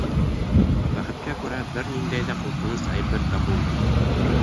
Бәхеткә күрә, бер ниндәй ҙә ҡурҡыныс әйбер табылмай.